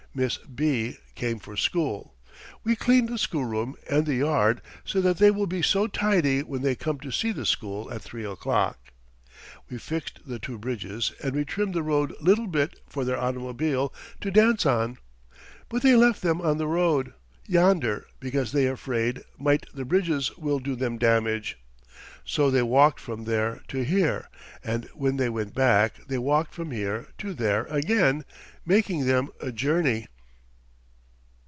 Miss B. came for school. We cleaned the schoolroom and the yard so that they will be so tidy when they come to see the school at three o'clock. We fixed the two bridges and we trimmed the road little bit for their automobiles to dance on. But they left them on the road yonder because they afraid might the bridges will do them damage. So they walked from there to here, and when they went back, they walked from here to there again, making them a journey."